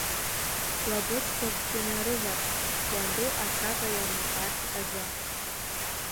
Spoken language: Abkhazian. Лабыҵәқәакгьы нарыварс, уанду аҽага иалмыргарц азы.